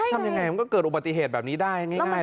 ทำยังไงมันก็เกิดอุบัติเหตุแบบนี้ได้ง่าย